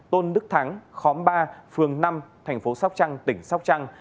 tôn đức thắng khóm ba phường năm thành phố sóc trăng tỉnh sóc trăng